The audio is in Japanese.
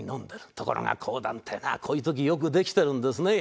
ところが講談ってえのはこういう時よくできてるんですね。